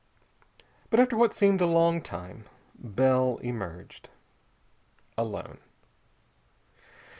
But after what seemed a long time, Bell emerged. Alone.